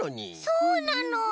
そうなの。